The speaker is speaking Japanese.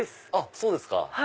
そうですか！